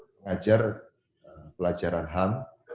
mengajar pelajaran ham